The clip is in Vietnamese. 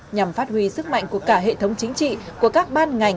nhằm phát huy sức mạnh của cả hệ thống chính trị của các ban ngành